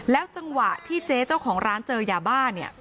จังหวะที่เจ๊เจ้าของร้านเจอยาบ้าเนี่ย